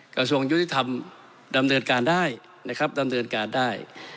กระทรวงยุติธรรมดำเนินการได้นะครับดำเนินการได้